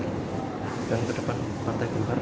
dan ke depan partai kulkar